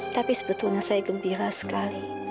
tapi sebetulnya saya gembira sekali